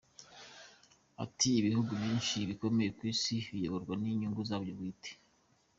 Ati”Ibihugu byinshi bikomeye ku isi biyoborwa n’inyungu zabyo bwite.